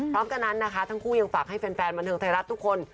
พร้อมกันนั้นนะคะทั้งคู่ยังฝากให้แฟนบันเทิงไทยรัฐทุกคน